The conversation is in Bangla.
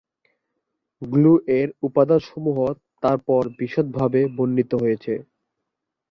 গ্নু-এর উপাদানসমূহ তারপর বিশদভাবে বর্ণিত হয়েছে।